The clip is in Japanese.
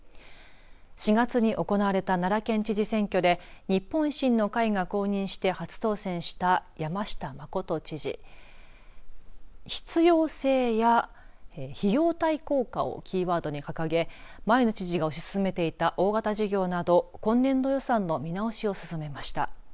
４月に行われた奈良県知事選挙で日本維新の会が公認して初当選した山下真知事必要性や費用対効果をキーワードに掲げ前の知事が推し進めていた大型事業など今年度予算の見直しを進めました。